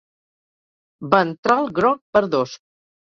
Ventral groc verdós.